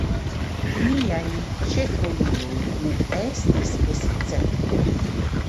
Niaj ĉefroluloj ne estis escepto.